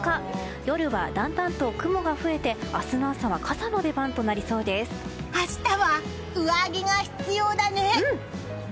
夜はだんだんと雲が増えて明日の朝は明日は上着が必要だね！